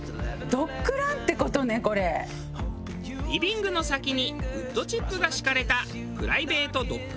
リビングの先にウッドチップが敷かれたプライベートドッグランが併設。